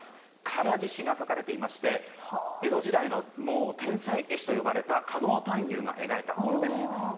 唐獅子が描かれていまして江戸時代の天才絵師と呼ばれた狩野探幽が描いたものです。